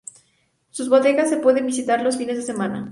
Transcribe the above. Sus bodegas se pueden visitar los fines de semana.